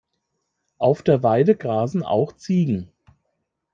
Auf der Weide grasen auch Ziegen.